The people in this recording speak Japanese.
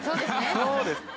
そうですね。